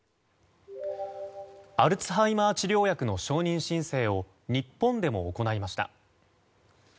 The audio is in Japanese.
アルツハイマー治療薬の承認申請を日本でも行いました。